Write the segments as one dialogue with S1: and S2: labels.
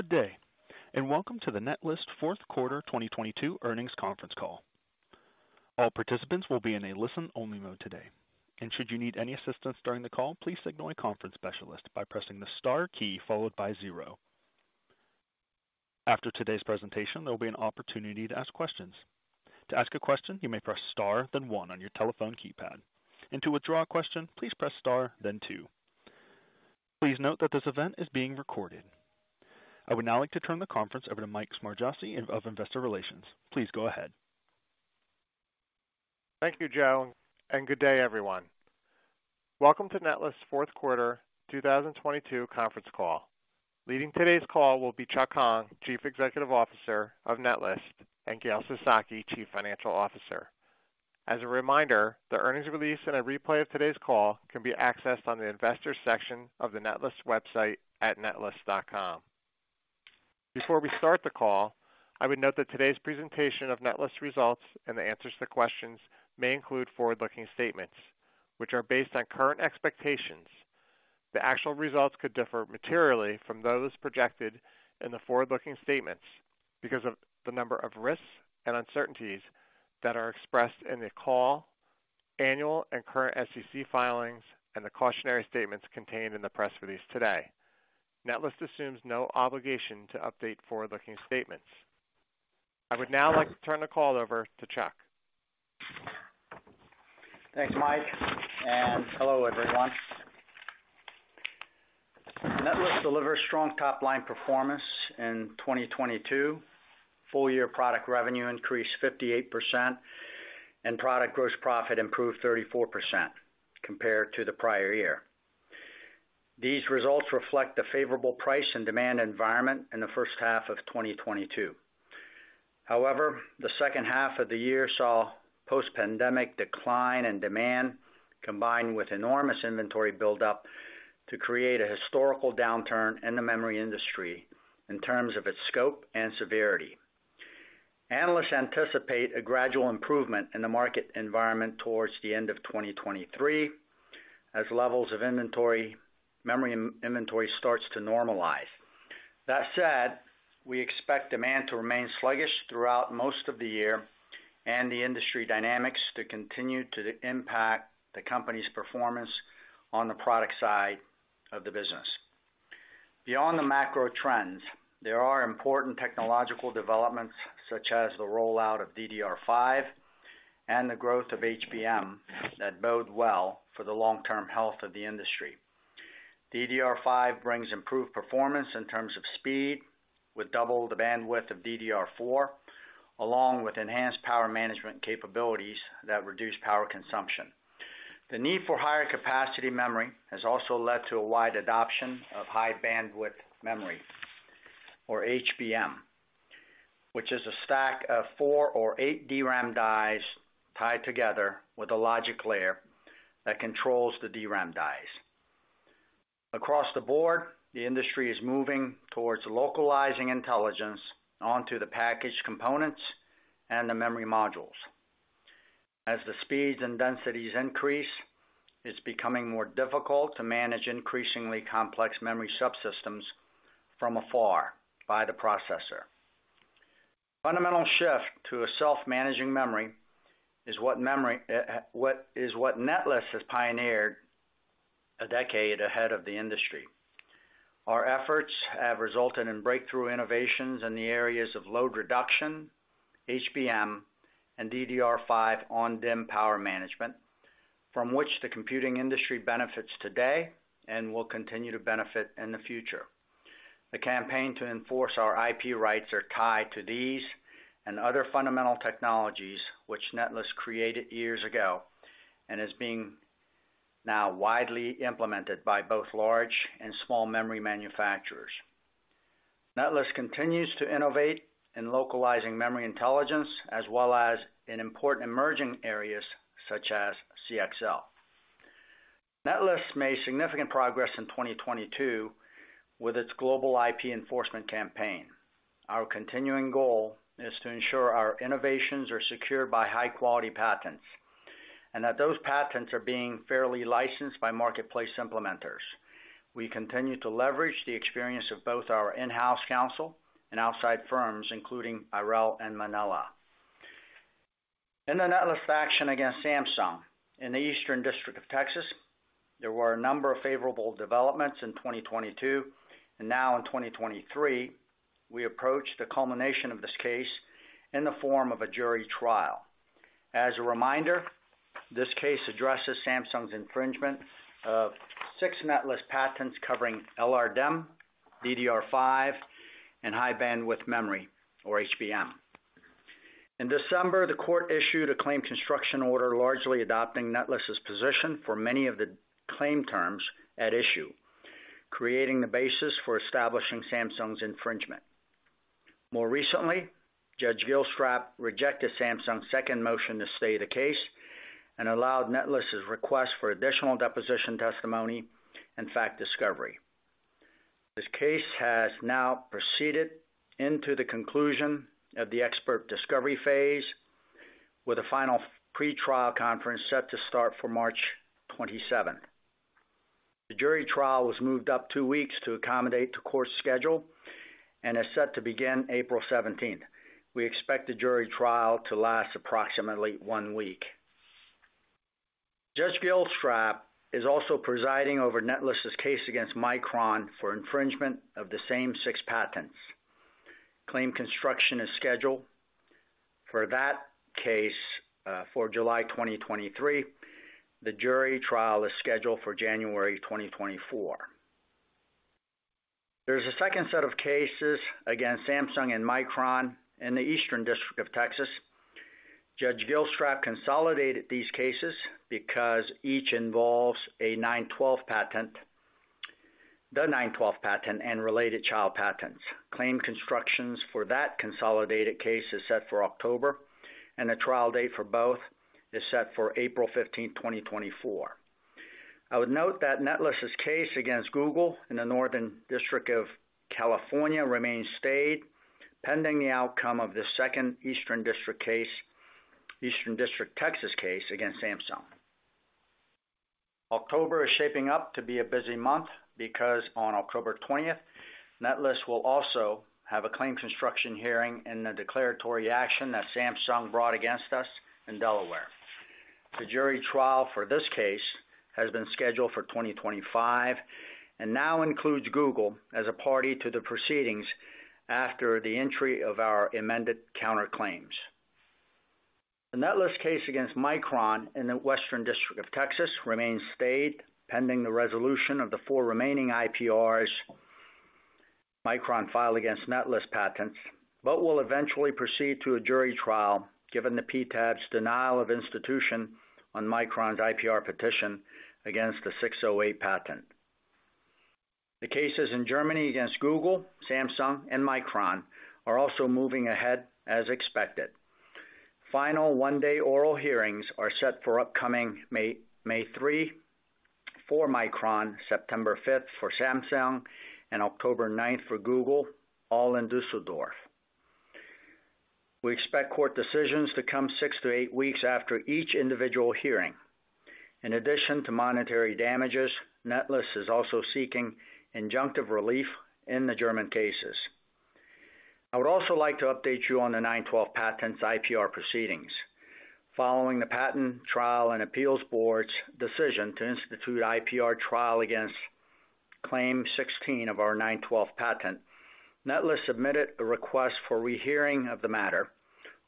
S1: Good day, and welcome to the Netlist Q4 2022 earnings conference call. All participants will be in a listen-only mode today. Should you need any assistance during the call, please signal a conference specialist by pressing the star key followed by 0. After today's presentation, there will be an opportunity to ask questions. To ask a question, you may press star then 1 on your telephone keypad. To withdraw a question, please press star then 2. Please note that this event is being recorded. I would now like to turn the conference over to Mike Smargiassi of Investor Relations. Please go ahead.
S2: Thank you, Joe. Good day everyone. Welcome to Netlist's Q4 2022 conference call. Leading today's call will be Chuck Hong, CEO of Netlist and Gail Sasaki, CFO. As a reminder, the earnings release and a replay of today's call can be accessed on the investor section of the Netlist website at netlist.com. Before we start the call, I would note that today's presentation of Netlist results and the answers to questions may include forward-looking statements, which are based on current expectations. The actual results could differ materially from those projected in the forward-looking statements because of the number of risks and uncertainties that are expressed in the call, annual and current SEC filings, and the cautionary statements contained in the press release today. Netlist assumes no obligation to update forward-looking statements. I would now like to turn the call over to Chuck.
S3: Thanks, Mike. Hello everyone. Netlist delivered strong top-line performance in 2022. Full year product revenue increased 58% and product gross profit improved 34% compared to the prior year. These results reflect the favorable price and demand environment in the first half of 2022. However, the second half of the year saw post-pandemic decline in demand, combined with enormous inventory buildup to create a historical downturn in the memory industry in terms of its scope and severity. Analysts anticipate a gradual improvement in the market environment towards the end of 2023 as levels of memory in-inventory starts to normalize. That said, we expect demand to remain sluggish throughout most of the year and the industry dynamics to continue to impact the company's performance on the product side of the business. Beyond the macro trends, there are important technological developments such as the rollout of DDR5 and the growth of HBM that bode well for the long-term health of the industry. DDR5 brings improved performance in terms of speed with double the bandwidth of DDR4, along with enhanced power management capabilities that reduce power consumption. The need for higher capacity memory has also led to a wide adoption of High Bandwidth Memory or HBM, which is a stack of four or eight DRAM dies tied together with a logic layer that controls the DRAM dies. Across the board, the industry is moving towards localizing intelligence onto the package components and the memory modules. As the speeds and densities increase, it's becoming more difficult to manage increasingly complex memory subsystems from afar by the processor. Fundamental shift to a self-managing memory is what Netlist has pioneered a decade ahead of the industry. Our efforts have resulted in breakthrough innovations in the areas of load reduction, HBM and DDR5 on-DIMM power management from which the computing industry benefits today and will continue to benefit in the future. The campaign to enforce our IP rights are tied to these and other fundamental technologies which Netlist created years ago and is being now widely implemented by both large and small memory manufacturers. Netlist continues to innovate in localizing memory intelligence as well as in important emerging areas such as CXL. Netlist made significant progress in 2022 with its global IP enforcement campaign. Our continuing goal is to ensure our innovations are secured by high quality patents and that those patents are being fairly licensed by marketplace implementers. We continue to leverage the experience of both our in-house counsel and outside firms, including Irell & Manella. In the Netlist action against Samsung in the Eastern District of Texas, there were a number of favorable developments in 2022. Now in 2023, we approach the culmination of this case in the form of a jury trial. As a reminder, this case addresses Samsung's infringement of six Netlist patents covering LRDIMM, DDR5, and High Bandwidth Memory, or HBM. In December, the court issued a claim construction order largely adopting Netlist's position for many of the claim terms at issue, creating the basis for establishing Samsung's infringement. More recently, Judge Gilstrap rejected Samsung's second motion to stay the case and allowed Netlist's request for additional deposition testimony and fact discovery. This case has now proceeded into the conclusion of the expert discovery phase. With a final pretrial conference set to start for March 27th. The jury trial was moved up 2 weeks to accommodate the court's schedule and is set to begin April 17th. We expect the jury trial to last approximately 1 week. Judge Gilstrap is also presiding over Netlist's case against Micron for infringement of the same 6 patents. Claim construction is scheduled for that case for July 2023. The jury trial is scheduled for January 2024. There's a second set of cases against Samsung and Micron in the Eastern District of Texas. Judge Gilstrap consolidated these cases because each involves a '912 patent, the '912 patent, and related child patents. Claim constructions for that consolidated case is set for October, and the trial date for both is set for April 15th, 2024. I would note that Netlist's case against Google in the Northern District of California remains stayed pending the outcome of the second Eastern District case, Eastern District Texas case against Samsung. October is shaping up to be a busy month because on October 20th, Netlist will also have a claim construction hearing in the declaratory action that Samsung brought against us in Delaware. The jury trial for this case has been scheduled for 2025 and now includes Google as a party to the proceedings after the entry of our amended counterclaims. The Netlist case against Micron in the Western District of Texas remains stayed pending the resolution of the four remaining IPRs Micron filed against Netlist patents, but will eventually proceed to a jury trial, given the PTAB's denial of institution on Micron's IPR petition against the '608 patent. The cases in Germany against Google, Samsung, and Micron are also moving ahead as expected. Final one-day oral hearings are set for upcoming May 3 for Micron, September 5 for Samsung, and October 9 for Google, all in Dusseldorf. We expect court decisions to come 6 to 8 weeks after each individual hearing. In addition to monetary damages, Netlist is also seeking injunctive relief in the German cases. I would also like to update you on the '912 patent's IPR proceedings. Following the Patent Trial and Appeal Board's decision to institute IPR trial against claim 16 of our '912 patent, Netlist submitted a request for rehearing of the matter,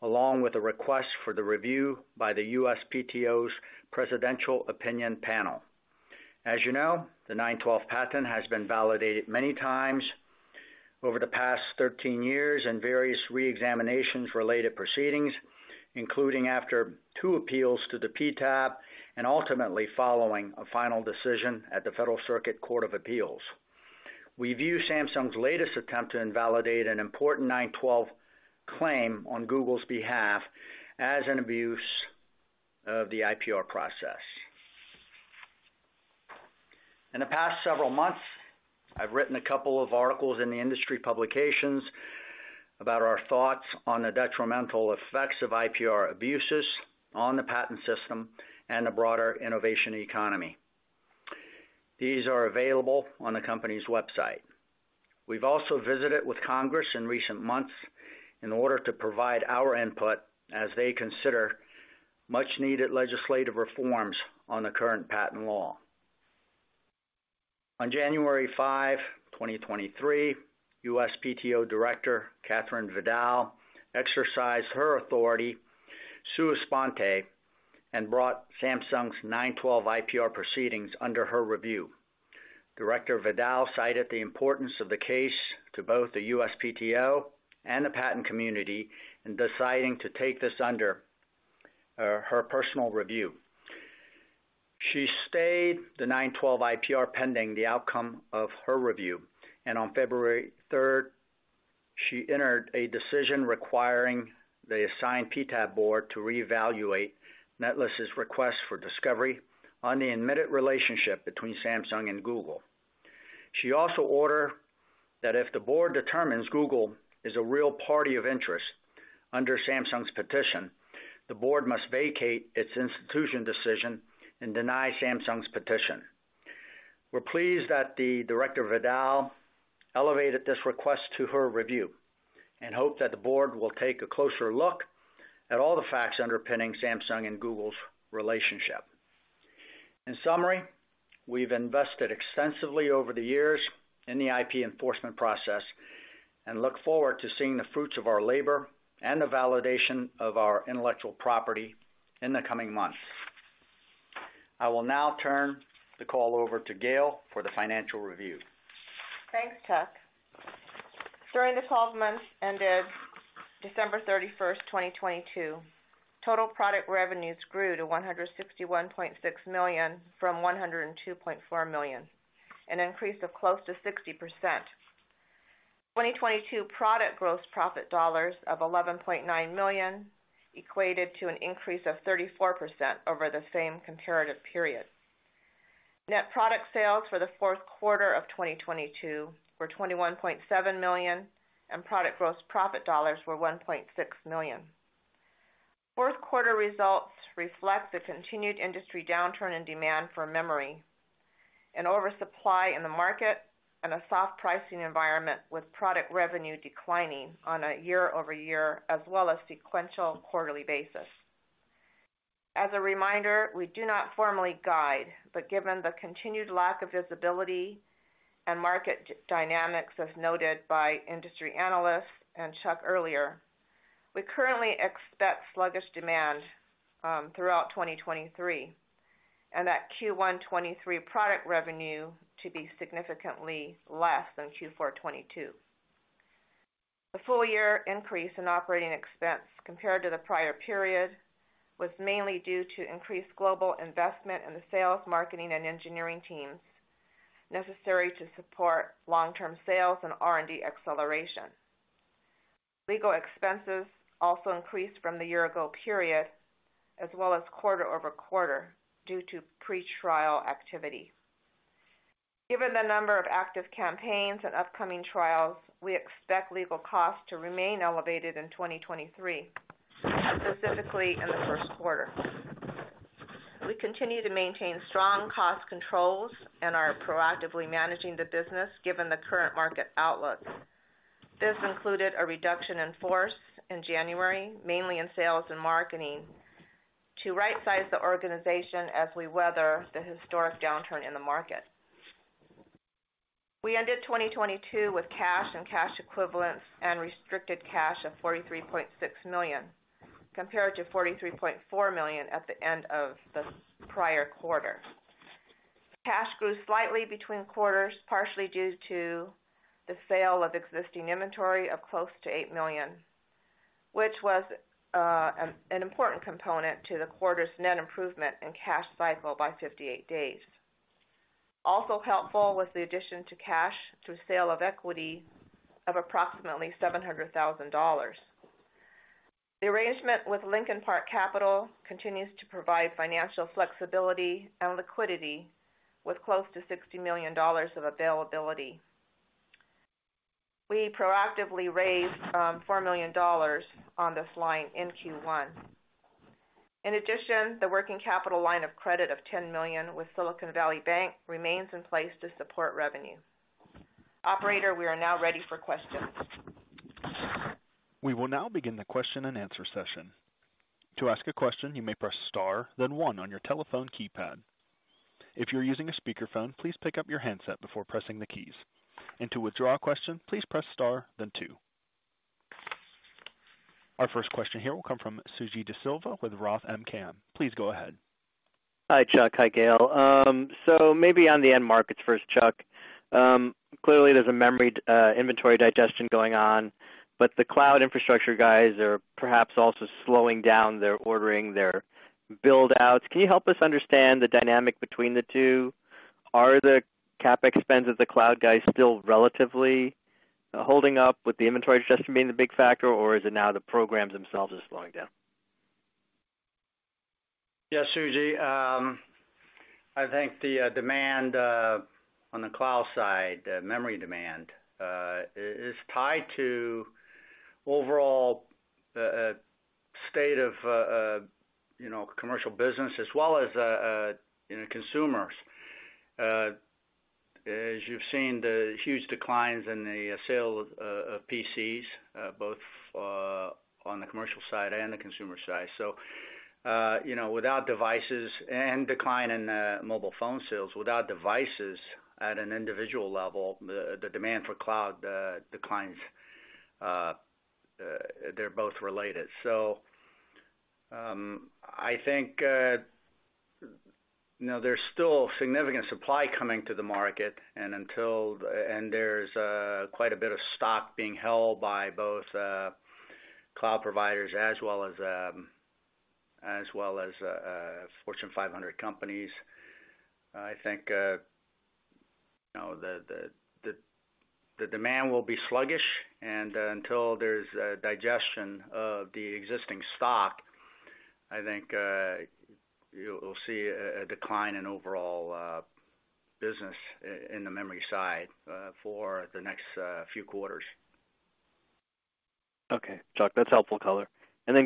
S3: along with a request for the review by the USPTO's Precedential Opinion Panel. As you know, the '912 patent has been validated many times over the past 13 years in various reexaminations related proceedings, including after 2 appeals to the PTAB and ultimately following a final decision at the Federal Circuit Court of Appeals. We view Samsung's latest attempt to invalidate an important '912 claim on Google's behalf as an abuse of the IPR process. In the past several months, I've written a couple of articles in the industry publications about our thoughts on the detrimental effects of IPR abuses on the patent system and the broader innovation economy. These are available on the company's website. We've also visited with Congress in recent months in order to provide our input as they consider much needed legislative reforms on the current patent law. On January 5, 2023, USPTO Director Kathi Vidal exercised her authority sua sponte and brought Samsung's '912 IPR proceedings under her review. Director Vidal cited the importance of the case to both the USPTO and the patent community in deciding to take this under her personal review. She stayed the '912 IPR pending the outcome of her review, and on February 3rd, she entered a decision requiring the assigned PTAB board to reevaluate Netlist's request for discovery on the admitted relationship between Samsung and Google. She also ordered that if the board determines Google is a real party in interest under Samsung's petition, the board must vacate its institution decision and deny Samsung's petition. We're pleased that Director Vidal elevated this request to her review and hope that the board will take a closer look at all the facts underpinning Samsung and Google's relationship. In summary, we've invested extensively over the years in the IP enforcement process and look forward to seeing the fruits of our labor and the validation of our intellectual property in the coming months. I will now turn the call over to Gail for the financial review.
S4: Thanks, Chuck. During the 12 months ended December 31st, 2022, total product revenues grew to $161.6 million from $102.4 million, an increase of close to 60%. 2022 product gross profit dollars of $11.9 million equated to an increase of 34% over the same comparative period. Net product sales for the Q4 of 2022 were $21.7 million, and product gross profit dollars were $1.6 million. Q4 results reflect the continued industry downturn in demand for memory, an oversupply in the market and a soft pricing environment with product revenue declining on a year-over-year as well as sequential quarterly basis. As a reminder, we do not formally guide, but given the continued lack of visibility and market dynamics as noted by industry analysts and Chuck earlier, we currently expect sluggish demand throughout 2023, and that Q1 '23 product revenue to be significantly less than Q4 '22. The full year increase in operating expense compared to the prior period was mainly due to increased global investment in the sales, marketing, and engineering teams necessary to support long-term sales and R&D acceleration. Legal expenses also increased from the year ago period as well as quarter-over-quarter due to pre-trial activity. Given the number of active campaigns and upcoming trials, we expect legal costs to remain elevated in 2023, specifically in the Q1. We continue to maintain strong cost controls and are proactively managing the business given the current market outlook. This included a reduction in force in January, mainly in sales and marketing, to rightsize the organization as we weather the historic downturn in the market. We ended 2022 with cash and cash equivalents and restricted cash of $43.6 million, compared to $43.4 million at the end of the prior quarter. Cash grew slightly between quarters, partially due to the sale of existing inventory of close to $8 million, which was an important component to the quarter's net improvement in cash cycle by 58 days. Also helpful was the addition to cash through sale of equity of approximately $700,000. The arrangement with Lincoln Park Capital continues to provide financial flexibility and liquidity with close to $60 million of availability. We proactively raised $4 million on this line in Q1. In addition, the working capital line of credit of $10 million with Silicon Valley Bank remains in place to support revenue. Operator, we are now ready for questions.
S1: We will now begin the question and answer session. To ask a question, you may press star, then 1 on your telephone keypad. If you're using a speakerphone, please pick up your handset before pressing the keys. To withdraw a question, please press star then 2. Our first question here will come from Suji Desilva with Roth MKM. Please go ahead.
S5: Hi, Chuck. Hi, Gail. Maybe on the end markets first, Chuck. Clearly there's a memory inventory digestion going on, but the cloud infrastructure guys are perhaps also slowing down their ordering, their build-outs. Can you help us understand the dynamic between the two? Are the CapEx spends of the cloud guys still relatively holding up with the inventory digestion being the big factor, or is it now the programs themselves are slowing down?
S3: Yes, Suji. I think the demand on the cloud side, the memory demand is tied to overall state of, you know, commercial business as well as, you know, consumers. As you've seen the huge declines in the sales of PCs, both on the commercial side and the consumer side. You know, without devices and decline in mobile phone sales, without devices at an individual level, the demand for cloud declines, they're both related. I think, you know, there's still significant supply coming to the market, and until and there's quite a bit of stock being held by both cloud providers as well as well as, Fortune 500 companies. I think, you know, the demand will be sluggish, and until there's digestion of the existing stock, I think, you'll see a decline in overall business in the memory side, for the next few quarters.
S5: Okay. Chuck, that's helpful color.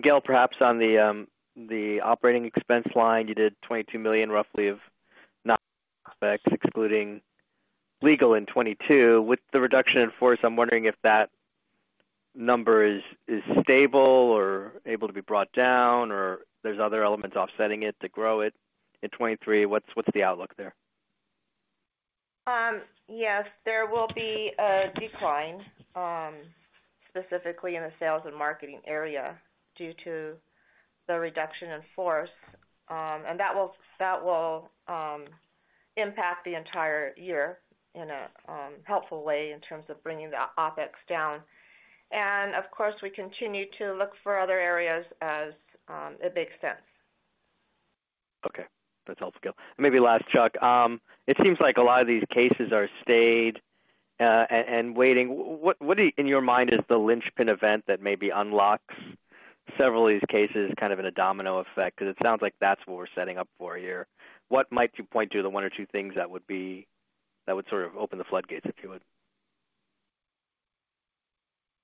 S5: Gail, perhaps on the operating expense line, you did $22 million roughly of non-CapEx excluding legal in 2022. With the reduction in force, I'm wondering if that number is stable or able to be brought down or there's other elements offsetting it to grow it in 2023. What's the outlook there?
S4: Yes, there will be a decline, specifically in the sales and marketing area due to the reduction in force. That will impact the entire year in a helpful way in terms of bringing the CapEx down. Of course, we continue to look for other areas as it makes sense.
S5: Okay, that's helpful, Gail. Maybe last, Chuck, it seems like a lot of these cases are stayed, and waiting. What do you, in your mind, is the linchpin event that maybe unlocks several of these cases kind of in a domino effect, 'cause it sounds like that's what we're setting up for here. What might you point to the one or two things that would sort of open the floodgates, if you would?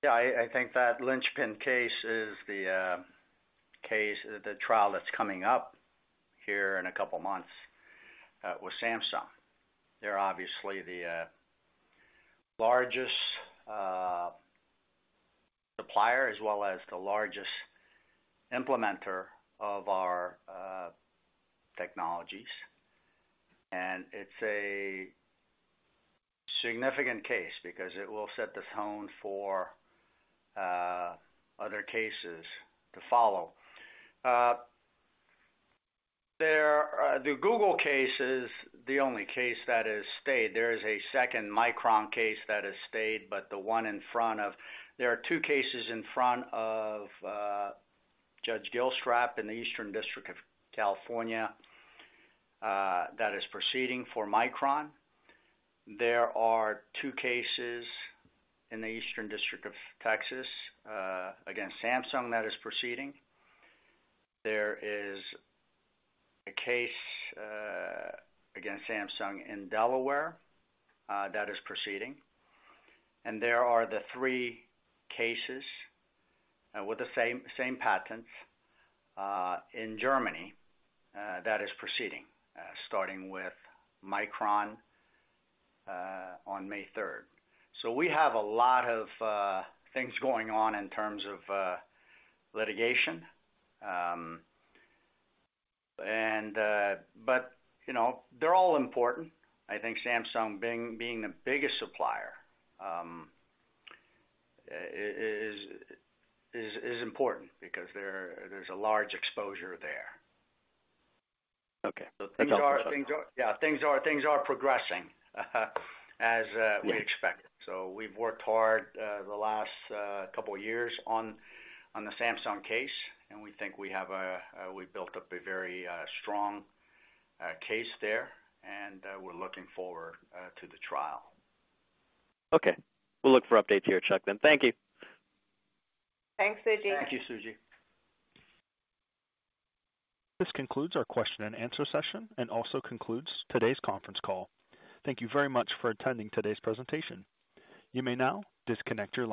S3: I think that linchpin case is the case, the trial that's coming up here in a couple months with Samsung. They're obviously the largest supplier, as well as the largest implementer of our technologies. It's a significant case because it will set the tone for other cases to follow. The Google case is the only case that has stayed. There is a second Micron case that has stayed. There are 2 cases in front of Judge Gilstrap in the Eastern District of California that is proceeding for Micron. There are 2 cases in the Eastern District of Texas against Samsung that is proceeding. There is a case against Samsung in Delaware that is proceeding. There are the three cases with the same patents in Germany that is proceeding starting with Micron on May 3rd. We have a lot of things going on in terms of litigation. You know, they're all important. I think Samsung being the biggest supplier is important because there's a large exposure there.
S5: Okay.
S3: Things are, yeah, things are progressing as we expected. We've worked hard the last couple years on the Samsung case, and we think we've built up a very strong case there, and we're looking forward to the trial.
S5: Okay. We'll look for updates here, Chuck, then. Thank you.
S4: Thanks, Suji.
S3: Thank you, Suji.
S1: This concludes our question and answer session, and also concludes today's conference call. Thank you very much for attending today's presentation. You may now disconnect your lines.